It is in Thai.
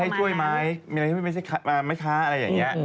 ช่วยไหมมีอะไรช่วยไหมคะอะไรอย่างนี้